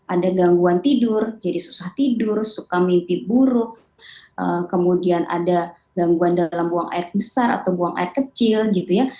ada gangguan tidur jadi susah tidur suka mimpi buruk kemudian ada gangguan dalam buang air besar atau buang air kecil gitu ya